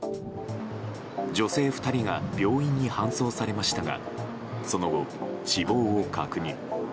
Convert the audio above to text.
女性２人が病院に搬送されましたがその後、死亡を確認。